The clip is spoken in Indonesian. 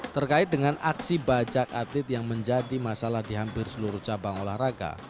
terkait dengan aksi bajak atlet yang menjadi masalah di hampir seluruh cabang olahraga